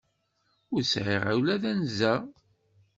Ur sɛiɣ ula d anza.